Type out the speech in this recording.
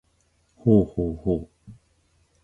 ほうほうほう